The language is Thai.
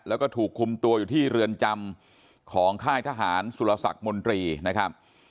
แล้วก็ถูกคุมตัวอยู่ที่เรือนจำของค่ายทหารสุรศักดิ์มนตรีนะครับ